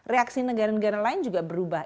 reaksi negara negara lain juga berubah